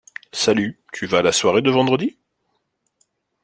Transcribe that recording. Salut, tu vas à la soirée de vendredi?